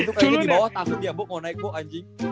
itu kayaknya di bawah takut ya bu mau naik bu anjing